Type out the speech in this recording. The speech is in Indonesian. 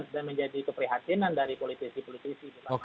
dan menjadi keprihatinan dari politisi politisi